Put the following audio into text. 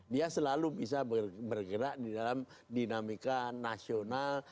dia selalu bisa bergerak di dalam dinamika nasional